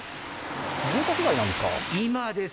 住宅街なんですか。